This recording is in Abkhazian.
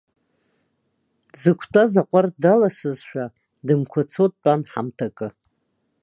Дзықәтәаз аҟәардә даласазшәа, дымқәацо дтәан ҳамҭакы.